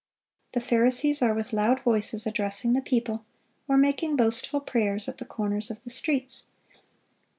The Pharisees are with loud voices addressing the people, or making boastful prayers at the corners of the streets.